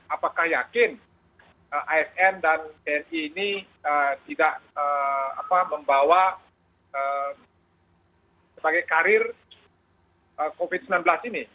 apakah yakin asn dan tni ini tidak membawa sebagai karir covid sembilan belas ini